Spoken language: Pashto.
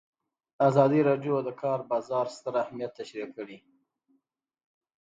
ازادي راډیو د د کار بازار ستر اهميت تشریح کړی.